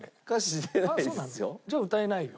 じゃあ歌えないよ。